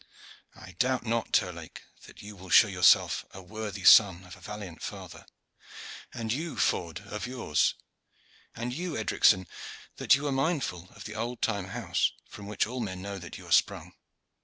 I doubt not, Terlake, that you will show yourself a worthy son of a valiant father; and you, Ford, of yours; and you, Edricson, that you are mindful of the old time house from which all men know that you are sprung.